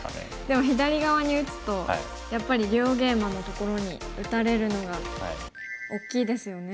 でも左側に打つとやっぱり両ゲイマのところに打たれるのが大きいですよね。